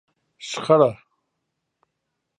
شخړه